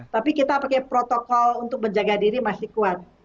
tapi kita pakai protokol untuk menjaga diri masih kuat